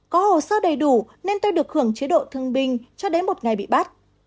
có hồ sơ đầy đủ nên tôi được hưởng chế độ thương binh cho đến một ngày bị bắt